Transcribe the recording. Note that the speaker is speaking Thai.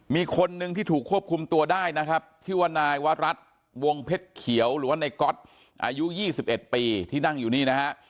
มีคนนึงที่ถูกควบคุมตัวได้นะครับชื่อว่านายวรัฐวงเพชรเขียวหรือว่าในก๊อตอายุ๒๑ปีที่นั่งอยู่นี่นะฮะ